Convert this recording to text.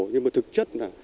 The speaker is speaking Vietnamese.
nhưng mà thực chất là